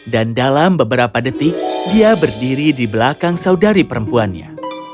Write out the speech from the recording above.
dan dalam beberapa detik dia berdiri di belakang saudari perempuannya